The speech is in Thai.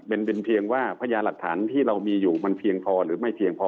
เป็นเพียงว่าพยานหลักฐานที่เรามีอยู่มันเพียงพอหรือไม่เพียงพอ